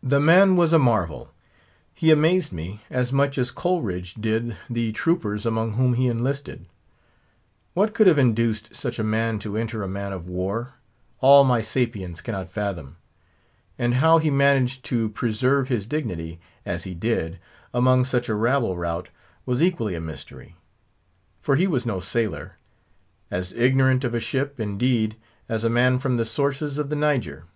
The man was a marvel. He amazed me, as much as Coleridge did the troopers among whom he enlisted. What could have induced such a man to enter a man of war, all my sapience cannot fathom. And how he managed to preserve his dignity, as he did, among such a rabble rout was equally a mystery. For he was no sailor; as ignorant of a ship, indeed, as a man from the sources of the Niger.